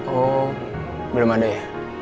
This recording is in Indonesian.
oh belum ada ya